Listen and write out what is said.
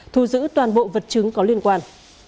thu giữ toàn bộ vật chứng có liên quan